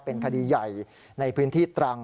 เป็นคดีใหญ่ในพื้นที่ตรัง